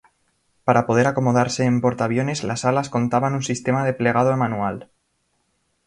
Para poder acomodarse en portaaviones las alas contaban un sistema de plegado manual.